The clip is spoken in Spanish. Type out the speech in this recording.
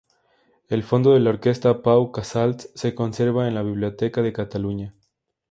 El fondo de la Orquesta Pau Casals se conserva en la Biblioteca de Cataluña.